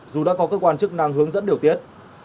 dù đã có cơ quan chức năng hướng dẫn điều tiết